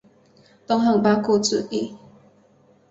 东汉八顾之一。